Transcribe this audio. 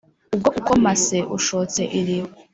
ubwo ukomase ushotse iriba,